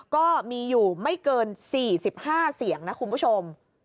ก็มีอยู่ไม่เกิน๔๕เสียงนะคุณผู้ชม